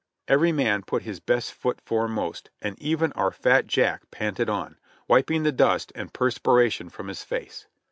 '' Every man put his best foot foremost, and even our fat Jack panted on, wiping the dust and perspiration from his face.